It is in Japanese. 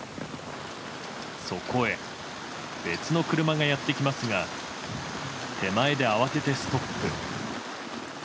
そこへ、別の車がやってきますが手前で慌ててストップ。